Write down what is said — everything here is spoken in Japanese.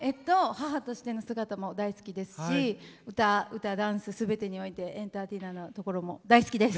母としての姿も好きですし歌、ダンスすべてにおいてエンターテイナーなところも大好きです。